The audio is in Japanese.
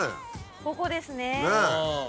ここですね。ねぇ。